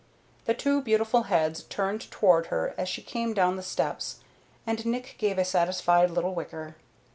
The two beautiful heads turned toward her as she came down the steps and Nick gave a satisfied little whicker.